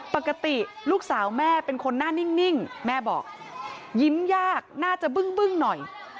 ปกติลูกสาวแม่เป็นคนหน้านิ่งแม่บอกยิ้มยากน่าจะบึ้งหน่อย